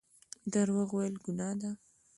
درواغ ویل ګناه ده